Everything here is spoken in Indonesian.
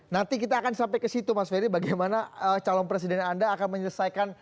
nanti kita akan sampai ke situ mas ferry bagaimana calon presiden anda akan menyelesaikan